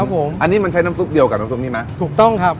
ผมอันนี้มันใช้น้ำซุปเดียวกับน้ำซุปนี้ไหมถูกต้องครับ